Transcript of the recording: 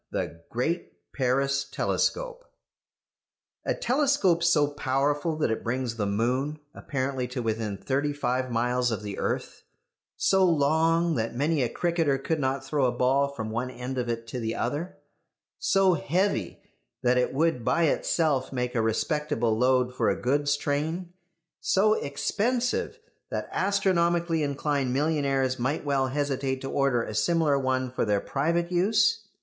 THE GREAT PARIS TELESCOPE A telescope so powerful that it brings the moon apparently to within thirty five miles of the earth; so long that many a cricketer could not throw a ball from one end of it to the other; so heavy that it would by itself make a respectable load for a goods train; so expensive that astronomically inclined millionaires might well hesitate to order a similar one for their private use.